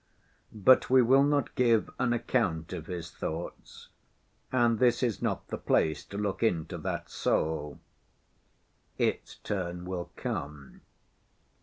But we will not give an account of his thoughts, and this is not the place to look into that soul—its turn will come.